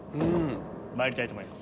まいりたいと思います